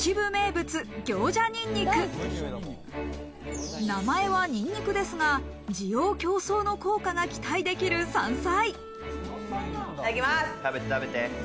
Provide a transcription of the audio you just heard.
名前はにんにくですが、滋養強壮の効果が期待できる山菜。